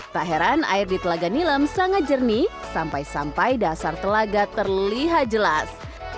tak heran air di telaga nilem sangat jernih sampai sampai dasar telaga terlihat jelas